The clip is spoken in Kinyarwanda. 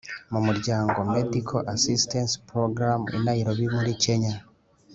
mu muryango “Medical Assistance Programme i Nairobi muri Kenya,